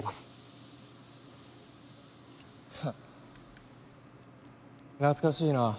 ハッ懐かしいな。